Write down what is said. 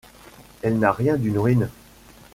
Elle n’a rien d’une ruine.